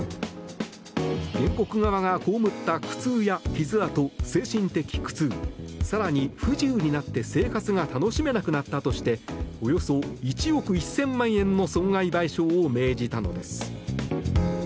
原告側が被った苦痛や傷痕精神的苦痛更に、不自由になって生活が楽しめなくなったとしておよそ１億１０００万円の損害賠償を命じたのです。